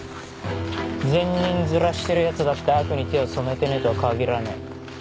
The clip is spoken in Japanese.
善人面してるヤツだって悪に手を染めてねぇとは限らねぇ